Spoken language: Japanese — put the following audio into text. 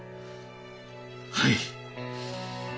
はい。